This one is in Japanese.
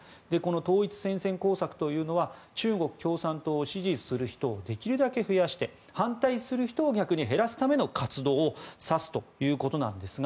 統一戦線工作というのは中国共産党を支持する人をできるだけ増やして反対する人を逆に減らすための活動を指すということですが。